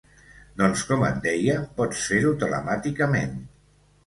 Doncs com et deia pots fer-ho telemàticament.